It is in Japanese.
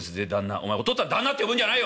「お前お父っつぁん旦那って呼ぶんじゃないよ！